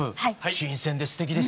新鮮ですてきでした。